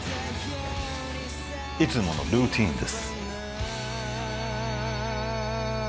いつものルーティンです